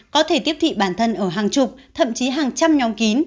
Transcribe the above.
có thể tiếp thị bản thân ở hàng chục thậm chí hàng trăm nhóm kín